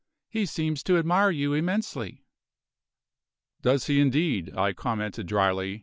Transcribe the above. He seems to admire you immensely." "Does he, indeed?" I commented dryly.